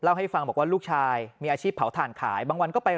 ให้ฟังบอกว่าลูกชายมีอาชีพเผาถ่านขายบางวันก็ไป